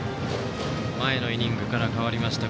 前のイニングから代わりました